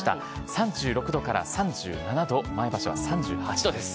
３６度から３７度前橋は３８度です。